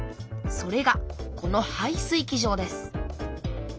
それがこの排水機場です